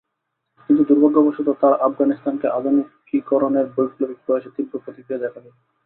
কিন্তু দুর্ভাগ্যবশত তাঁর আফগানিস্তানকে আধুনিকীকরণের বৈপ্লবিক প্রয়াসে তীব্র প্রতিক্রিয়া দেখা দেয়।